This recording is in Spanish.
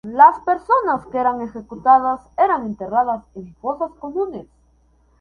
Las personas que eran ejecutadas eran enterradas en fosas comunes.